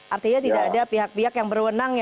artinya tidak ada pihak pihak yang berwenang